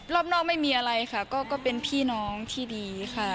รอบนอกไม่มีอะไรค่ะก็เป็นพี่น้องที่ดีค่ะ